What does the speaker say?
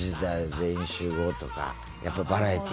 全員集合」とかやっぱバラエティー。